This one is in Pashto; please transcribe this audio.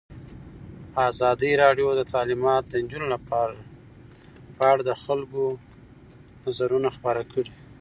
ازادي راډیو د تعلیمات د نجونو لپاره په اړه د خلکو نظرونه خپاره کړي.